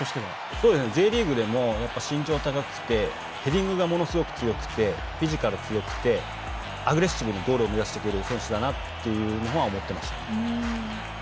Ｊリーグでも身長が高くてヘディングがものすごく強くてフィジカル、強くてアグレッシブにゴールを目指してくる選手だなというのは思っていました。